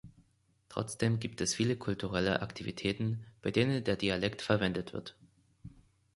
Trotzdem gibt es viele kulturelle Aktivitäten, bei denen der Dialekt verwendet wird.